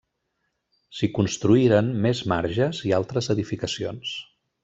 S’hi construïren més marges i altres edificacions.